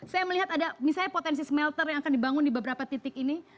saya melihat ada misalnya potensi smelter yang akan dibangun di beberapa titik ini